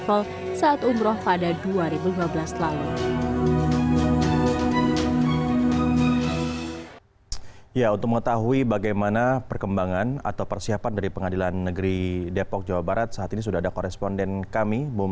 ia juga menyebutkan ke first travel saat umroh pada dua ribu dua belas lalu